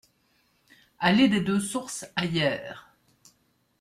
Allée des Deux Sources à Yerres